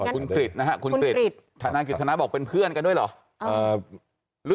คุณกริจนะฮะคุณกริจทนายกฤษณะบอกเป็นเพื่อนกันด้วยเหรอ